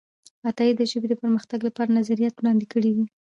عطايي د ژبې د پرمختګ لپاره نظریات وړاندې کړي دي.